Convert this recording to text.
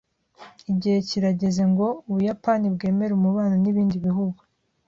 Igihe kirageze ngo Ubuyapani bwemere umubano n’ibindi bihugu.